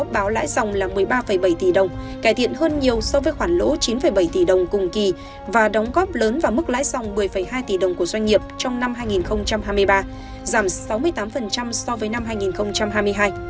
báo lãi dòng là một mươi ba bảy tỷ đồng cải thiện hơn nhiều so với khoản lỗ chín bảy tỷ đồng cùng kỳ và đóng góp lớn vào mức lãi dòng một mươi hai tỷ đồng của doanh nghiệp trong năm hai nghìn hai mươi ba giảm sáu mươi tám so với năm hai nghìn hai mươi hai